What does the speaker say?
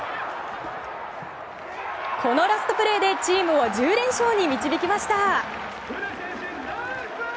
このラストプレーでチームを１０連勝に導きました。